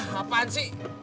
hah apaan sih